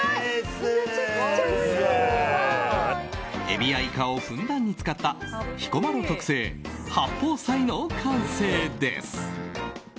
エビやイカをふんだんに使った彦摩呂特製、八宝菜の完成です。